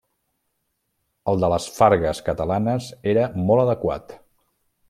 El de les fargues catalanes era molt adequat.